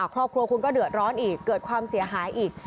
ครอบครัวคุณก็เดือดร้อนอีกเกิดความเสียหายอีก